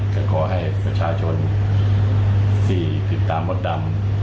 ก็ขอให้ประชาชนที่ลดตามมจดำ